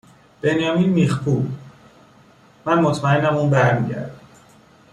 بنیامین میخکوب: من مطمئنم اون بر میگرده